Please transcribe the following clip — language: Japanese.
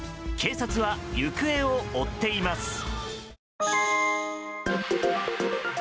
警察は行方を追っています。